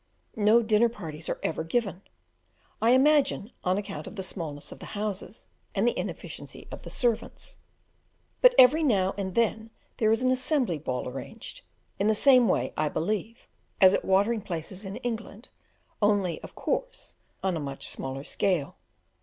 No dinner parties are ever given I imagine, on account of the smallness of the houses and the inefficiency of the servants; but every now and then there is an assembly ball arranged, in the same way, I believe, as at watering places in England only, of course, on a much smaller scale.